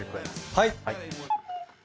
はい！